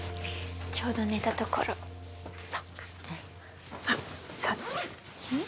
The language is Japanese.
ちょうど寝たところそっかあっそうだうん？